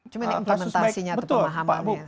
cuma implementasinya atau pemahamannya